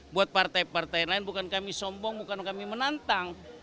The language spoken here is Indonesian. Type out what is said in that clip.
buat partai partai lain bukan kami sombong bukan kami menantang